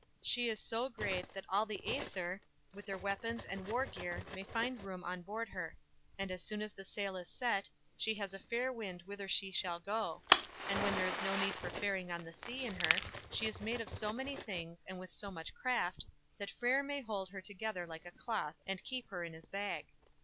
She is so great, that all the Aesir, with their weapons and war gear, may find room on board her; and as soon as the sail is set, she has a fair wind whither she shall go; and when there is no need of faring on the sea in her, she is made of so many things, and with so much craft, that Freyr may fold her together like a cloth, and keep her in his bag.